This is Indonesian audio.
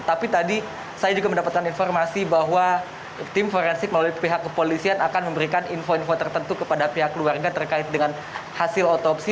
tapi tadi saya juga mendapatkan informasi bahwa tim forensik melalui pihak kepolisian akan memberikan info info tertentu kepada pihak keluarga terkait dengan hasil otopsi